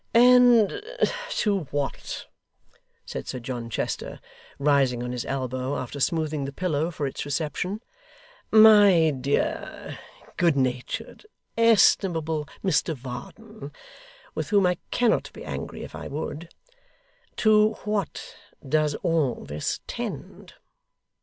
'And to what,' said Sir John Chester, rising on his elbow, after smoothing the pillow for its reception; 'my dear, good natured, estimable Mr Varden with whom I cannot be angry if I would to what does all this tend?